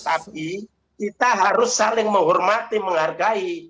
tapi kita harus saling menghormati menghargai